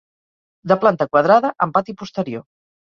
De planta quadrada amb pati posterior.